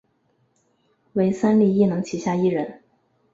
为三立艺能旗下艺人。